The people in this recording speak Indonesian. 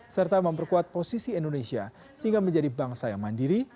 serta memperkuat posisi indonesia sehingga menjadi bangsa yang mandiri